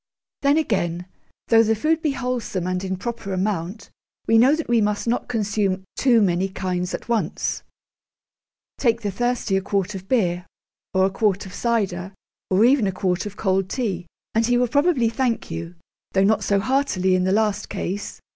Then, again, though the food be wholesome and in proper amount, we know that we must not consume too many kinds at once. Take the thirsty a quart of beer, or a quart of cider, or even a quart of cold tea, and he will probably thank you (though not so heartily in the last case!).